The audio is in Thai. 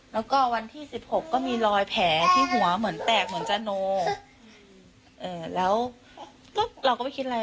แล้วก็วันที่สิบหกก็มีรอยแผลที่หัวเหมือนแตกเหมือนจาโนแล้วก็เราก็ไม่คิดอะไร